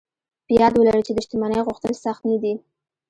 په ياد ولرئ چې د شتمنۍ غوښتل سخت نه دي.